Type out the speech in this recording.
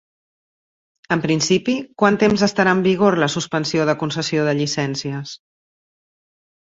En principi quant temps estarà en vigor la suspensió de concessió de llicències?